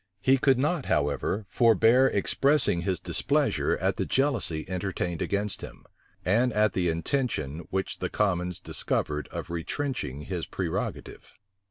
He could not, however, forbear expressing his displeasure at the jealousy entertained against him, and at the intention which the commons discovered of retrenching his prerogative.